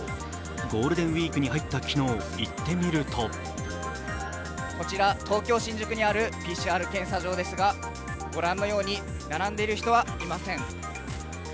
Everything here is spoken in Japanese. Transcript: ゴールデンウイークに入った昨日、行ってみるとこちら東京・新宿にあるＰＣＲ検査場ですがご覧のように並んでいる人はいません。